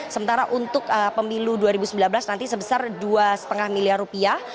sementara untuk pemilu dua ribu sembilan belas nanti sebesar dua lima miliar rupiah